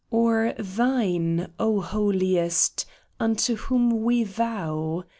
Or Thine, O Holiest, unto whom we vow ?